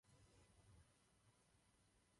Věnuje se koncertní činnosti.